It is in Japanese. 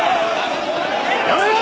やめろ！